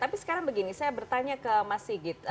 tapi sekarang begini saya bertanya ke mas sigit